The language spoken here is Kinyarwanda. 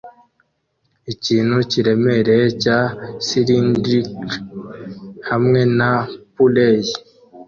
ikintu kiremereye cya silindrike hamwe na pulleys